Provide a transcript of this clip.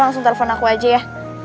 langsung telepon aku aja ya